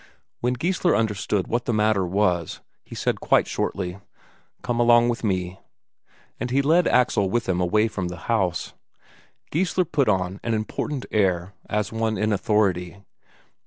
When Geissler understood what the matter was, he said quite shortly: "Come along with me." And he led Axel with him away from the house. Geissler put on an important air, as one in authority.